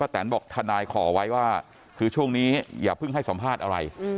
แตนบอกทนายขอไว้ว่าคือช่วงนี้อย่าเพิ่งให้สัมภาษณ์อะไร